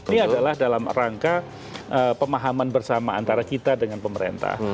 ini adalah dalam rangka pemahaman bersama antara kita dengan pemerintah